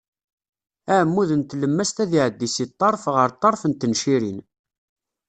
Aɛmud n tlemmast ad iɛeddi si ṭṭerf ɣer ṭṭerf n tencirin.